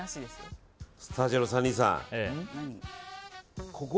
スタジオの３人さん。